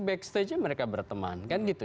backstage nya mereka berteman kan gitu